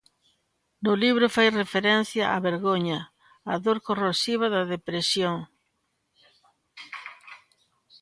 No libro fai referencia á vergoña, á dor corrosiva da depresión.